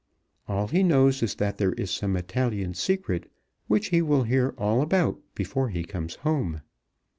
All he knows is that there is some Italian secret which he will hear all about before he comes home.